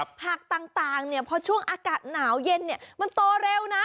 ผักต่างเนี่ยพอช่วงอากาศหนาวเย็นเนี่ยมันโตเร็วนะ